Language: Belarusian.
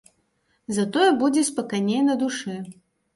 Затое будзе спакайней на душы.